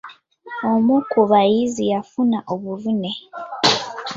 Omu ku bayizi yafuna obuvune.